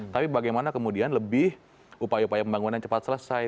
tapi bagaimana kemudian lebih upaya upaya pembangunan cepat selesai